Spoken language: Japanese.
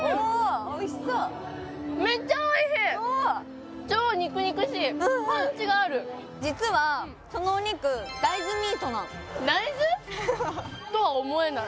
おおいしそう超肉肉しいパンチがある実はそのお肉大豆ミートなの大豆？とは思えない